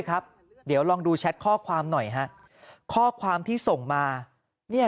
ครับเดี๋ยวลองดูแชทข้อความหน่อยฮะข้อความที่ส่งมาเนี่ย